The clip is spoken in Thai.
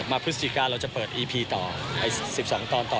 พฤศจิกาเราจะเปิดอีพีต่อ๑๒ตอนต่อ